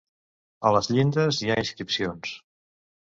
A les llindes hi ha inscripcions.